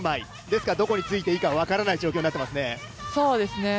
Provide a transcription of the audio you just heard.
ですからどこについていいか分からない状況になっていますね。